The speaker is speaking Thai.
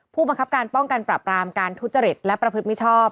ผู้บังคับการป้องกันปรับรามการทุจริตและประพฤติมิชชอบ